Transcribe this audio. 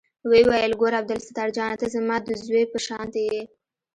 ويې ويل ګوره عبدالستار جانه ته زما د زوى په شانتې يې.